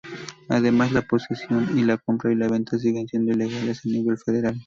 Además, la posesión, la compra y la venta siguen siendo ilegales a nivel federal.